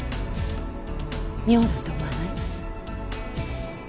妙だと思わない？